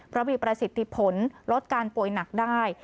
เพราะมีประสิทธิผลลดการป่วยหนักได้